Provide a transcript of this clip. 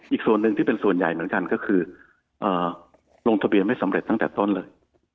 อีกส่วนหนึ่งที่เป็นส่วนใหญ่เหมือนกันก็คือลงทะเบียนไม่สำเร็จตั้งแต่ต้นเลย